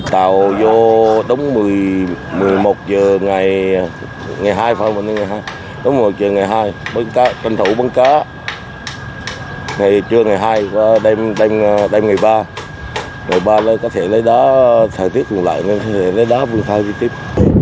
tàu vô đóng một mươi một h ngày hai bán cá trưa ngày hai đem ngày ba ngày ba nó có thể lấy đá sản tiết lấy đá vương khai đi tiếp